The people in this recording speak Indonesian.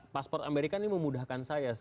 paspor amerika ini memudahkan saya